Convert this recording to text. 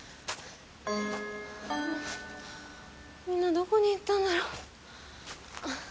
みんなどこに行ったんだろう？